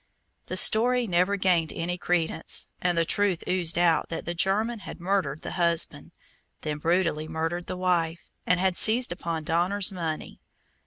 The story never gained any credence, and the truth oozed out that the German had murdered the husband, then brutally murdered the wife, and had seized upon Donner's money.